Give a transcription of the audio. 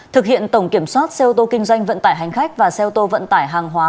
thực hiện tổng kiểm soát xe ô tô kinh doanh vận tải hành khách và xe ô tô vận tải hàng hóa